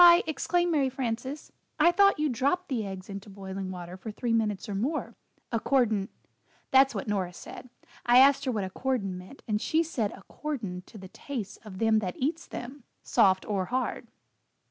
exclaimed Mary Frances, "I thought you dropped the eggs into boiling water for three minutes or more, 'accordin' that's what Nora said. I asked her what 'accordin' meant, and she said 'accordin' to the tastes of them that eats them soft or hard."